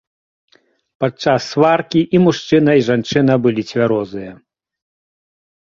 Падчас сваркі і мужчына, і жанчына былі цвярозыя.